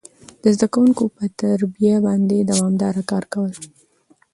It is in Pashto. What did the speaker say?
د زده کوونکو پر تربيه باندي دوامداره کار کول،